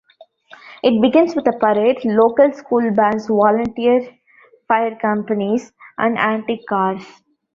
It begins with a parade local school bands, volunteer fire companies, and antique cars.